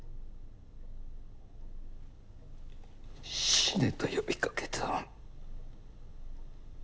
死ねと呼びかけた。